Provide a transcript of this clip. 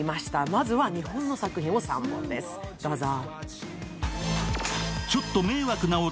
まずは日本の作品を３本です、どうぞ。